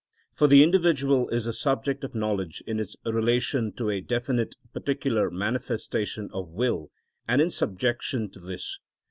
For the individual is the subject of knowledge in its relation to a definite particular manifestation of will, and in subjection to this.